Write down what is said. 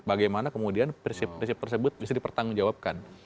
bagaimana kemudian prinsip prinsip tersebut bisa dipertanggungjawabkan